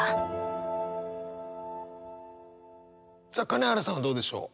金原さんはどうでしょう？